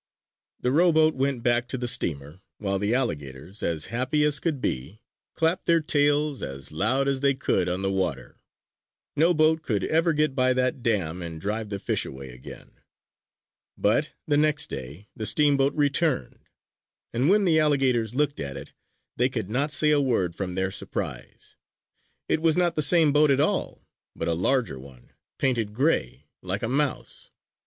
The rowboat went back to the steamer, while the alligators, as happy as could be, clapped their tails as loud as they could on the water. No boat could ever get by that dam, and drive the fish away again! But the next day the steamboat returned; and when the alligators looked at it, they could not say a word from their surprise: it was not the same boat at all, but a larger one, painted gray like a mouse!